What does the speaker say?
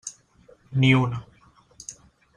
Ni una.